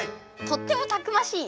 「とってもたくましい」。